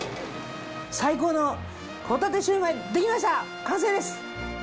最高の帆立シュウマイ出来ました完成です！